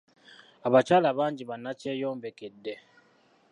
Abakyala bangi bannakyeyombekedde.